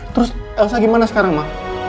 terus elsa gimana sekarang mah